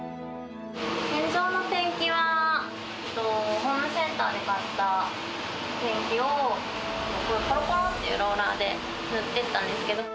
天井のペンキは、ホームセンターで買ったペンキをころころっとローラーで塗ってったんですけど。